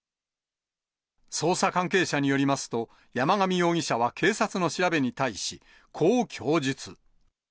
捜査関係者によりますと、山上容疑者は警察の調べに対し、こう供述。